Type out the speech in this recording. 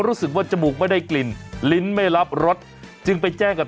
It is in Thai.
จมูกไม่ได้กลิ่นลิ้นไม่รับรสจึงไปแจ้งกับ